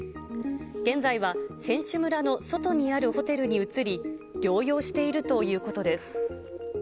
現在は選手村の外にあるホテルに移り、療養しているということです。